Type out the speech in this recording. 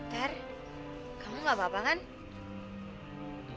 ter kamu gak apa apa kan